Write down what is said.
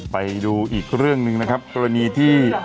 ไปดูอีกเรื่องนึงนะครับตัวนี้ที่